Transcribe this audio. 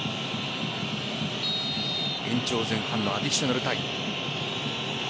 延長前半のアディショナルタイム。